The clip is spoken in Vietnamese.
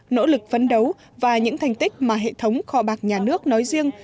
nỗ lực phấn đấu và những thành tích mà hệ thống kho bạc nhà nước nói riêng